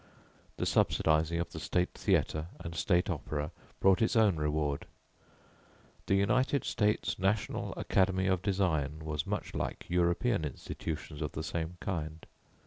The subsidizing of the state theatre and state opera brought its own reward. The United States National Academy of Design was much like European institutions of the same kind.